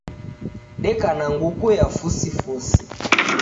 Deka na nguku ya fusifusi.